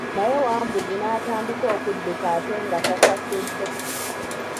Naye Wambuzi n'atandika okudduka ate nga tasasudde.